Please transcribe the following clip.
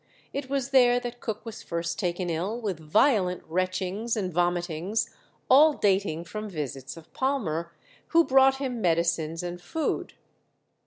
It was there that Cook was first taken ill with violent retchings and vomitings, all dating from visits of Palmer, who brought him medicines and food.